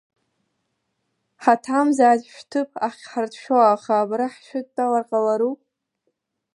Ҳаҭамзааит, шәҭыԥ ахьҳарҭшәо, аха абра ҳшәыдтәалар ҟалару?